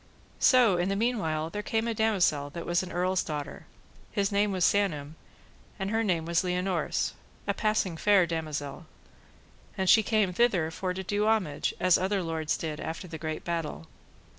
So in the meanwhile there came a damosel that was an earl's daughter: his name was Sanam, and her name was Lionors, a passing fair damosel; and so she came thither for to do homage, as other lords did after the great battle.